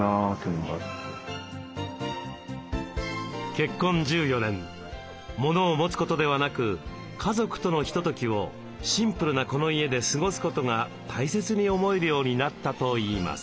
結婚１４年モノを持つことではなく家族とのひとときをシンプルなこの家で過ごすことが大切に思えるようになったといいます。